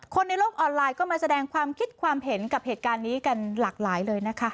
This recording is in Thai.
ในโลกออนไลน์ก็มาแสดงความคิดความเห็นกับเหตุการณ์นี้กันหลากหลายเลยนะคะ